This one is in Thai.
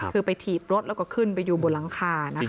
คือไปถีบรถแล้วก็ขึ้นไปอยู่บนหลังคานะคะ